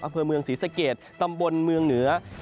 อำเภอเมืองศรีสะเกดตำบลเมืองเหนือ